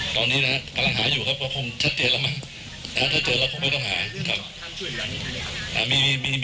ตอนนี้นะครับกำลังหาอยู่ครับก็คงชัดเจนแล้วมั้งถ้าเจอเราคงไม่ต้องหา